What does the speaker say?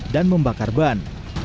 dan membakar ban